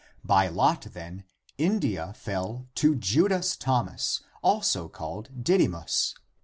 ^ By lot, then, India fell to Judas Thomas, also called Didymus.